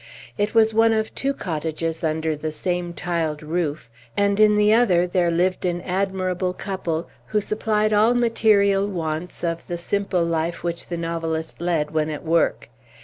It was one of two cottages under the same tiled roof, and in the other there lived an admirable couple who supplied all material wants of the simple life which the novelist led when at work.